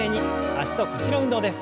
脚と腰の運動です。